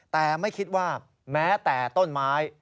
แต่ไม่คิดว่าแม้แต่ต้นไม้